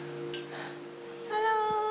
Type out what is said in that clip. ハロー。